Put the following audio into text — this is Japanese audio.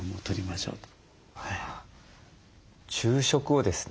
昼食をですね